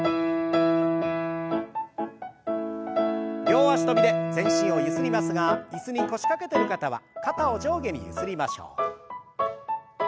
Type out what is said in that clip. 両脚跳びで全身をゆすりますが椅子に腰掛けてる方は肩を上下にゆすりましょう。